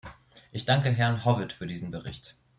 Ich danke Herrn Howitt für diesen Bericht.